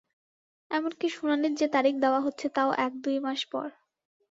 এমনকি শুনানির যে তারিখ দেওয়া হচ্ছে, তাও এক দুই মাস পর।